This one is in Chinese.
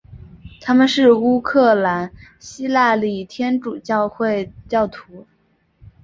他们是乌克兰希腊礼天主教会教徒。